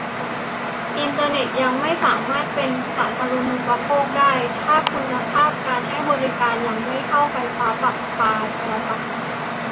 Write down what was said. อินเทอร์เน็ตจะยังไม่สามารถเป็น 'สาธารณูปโภค' ได้ ถ้าคุณภาพการให้บริการยังไม่เท่าไฟฟ้าประปาโทรศัพท์